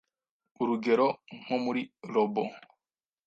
urugero nko muri robo